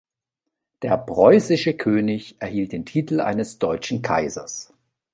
Der preußische König erhielt den Titel eines "Deutschen Kaisers".